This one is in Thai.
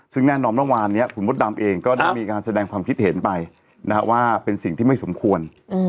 ซึ่งแน่นอนเมื่อวานนี้คุณมดดำเองก็ได้มีการแสดงความคิดเห็นไปว่าเป็นสิ่งที่ไม่สมควร